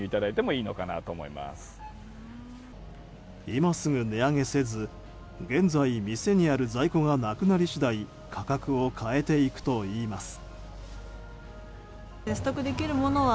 今すぐ値上げせず現在店にある在庫がなくなり次第価格を変えていくといいます。